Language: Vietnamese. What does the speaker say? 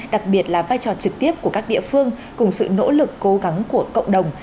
đặc biệt là vai trò trực tiếp của các địa phương cùng sự nỗ lực cố gắng của cộng đồng